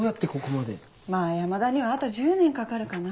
まぁ山田にはあと１０年かかるかな。